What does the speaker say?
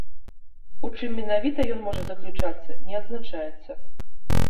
У чым менавіта ён можа заключаецца не адзначаецца.